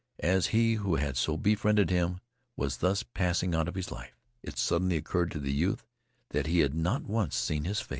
As he who had so befriended him was thus passing out of his life, it suddenly occurred to the youth that he had not once seen his face.